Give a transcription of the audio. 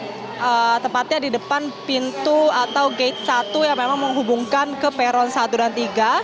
ini tepatnya di depan pintu atau gate satu yang memang menghubungkan ke peron satu dan tiga